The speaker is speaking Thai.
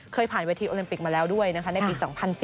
ผ่านเวทีโอลิมปิกมาแล้วด้วยนะคะในปี๒๐๐๔